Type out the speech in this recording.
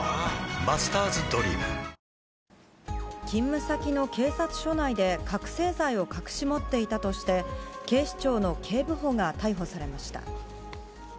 勤務先の警察署内で、覚醒剤を隠し持っていたとして、警視庁の警部補が逮捕されました。